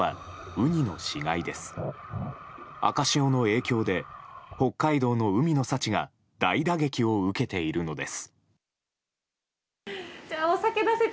赤潮の影響で北海道の海の幸が大打撃を受けているのです。